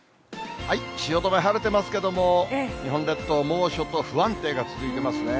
汐留晴れてますけれども、日本列島、猛暑と不安定が続いてますね。